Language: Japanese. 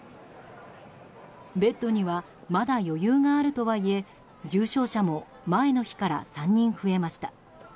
ベッドにはまだ余裕があるとはいえ重症者も前の日から３人増えました。